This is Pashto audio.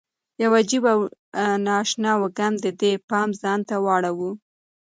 یو عجیب او نا اشنا وږم د ده پام ځان ته واړاوه.